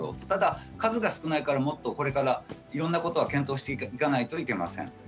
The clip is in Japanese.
ただ数が少ないからもっとこれからいろんなことを検討していかないといけません。